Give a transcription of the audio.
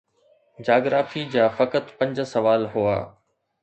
geography جا فقط پنج سوال هئا